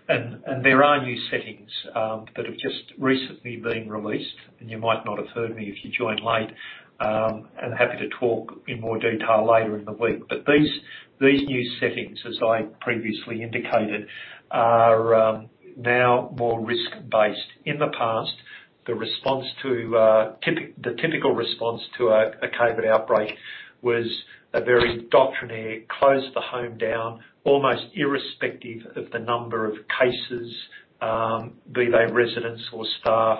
There are new settings that have just recently been released, and you might not have heard me if you joined late. Happy to talk in more detail later in the week. These new settings, as I previously indicated, are now more risk-based. In the past, the typical response to a COVID outbreak was a very doctrinaire, close the home down, almost irrespective of the number of cases, be they residents or staff.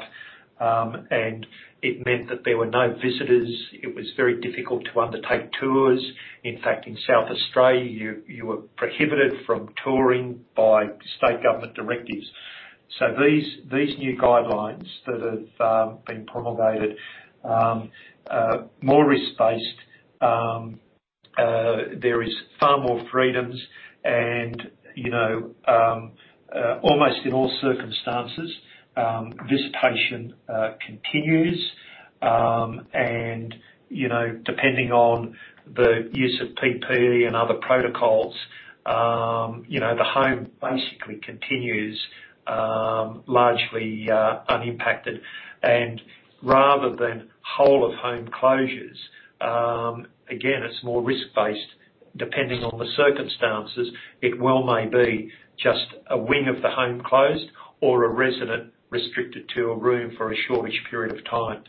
It meant that there were no visitors. It was very difficult to undertake tours. In fact, in South Australia, you were prohibited from touring by state government directives. These new guidelines that have been promulgated are more risk-based. There is far more freedoms and, you know, almost in all circumstances, visitation continues. You know, depending on the use of PPE and other protocols, you know, the home basically continues largely unimpacted. Rather than whole of home closures, again, it's more risk-based. Depending on the circumstances, it well may be just a wing of the home closed or a resident restricted to a room for a short-ish period of time.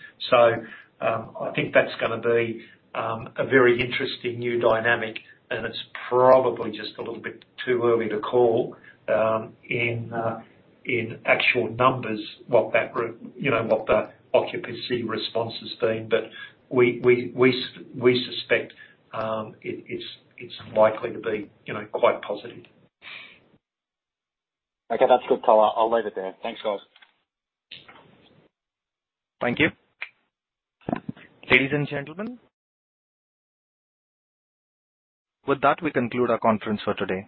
I think that's gonna be a very interesting new dynamic, and it's probably just a little bit too early to call in actual numbers what the occupancy response has been, you know. We suspect it's likely to be, you know, quite positive. Okay, that's good, Thorley. I'll leave it there. Thanks, guys. Thank you. Ladies and gentlemen, with that, we conclude our conference for today.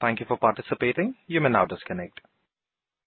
Thank you for participating. You may now disconnect.